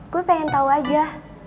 gue pengen tau aja